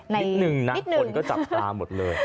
นิดนึงนะคนก็จับตาหมดเลย